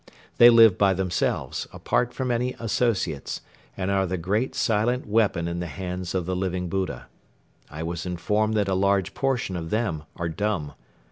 They live by themselves, apart from any associates, and are the great silent weapon in the hands of the Living Buddha. I was informed that a large portion of them are dumb.